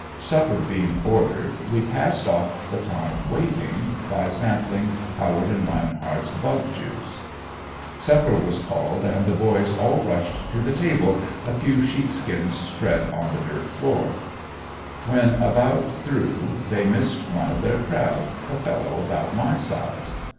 Supper being ordered we passed off the time waiting, by sampling Howard and Reinheart's bug juice. Supper was called and the boys all rushed to the table a few sheepskins spread on the dirt floor. When about through they missed one of their crowd a fellow about my size.